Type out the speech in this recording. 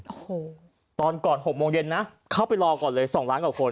โอ้โหตอนก่อน๖โมงเย็นนะเข้าไปรอก่อนเลย๒ล้านกว่าคน